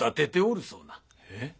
えっ？